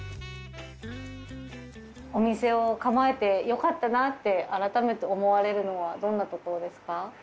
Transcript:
お店を構えてよかったなって改めて思われるのはどんなところですか？